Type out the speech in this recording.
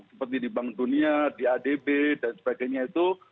seperti di bank dunia di adb dan sebagainya itu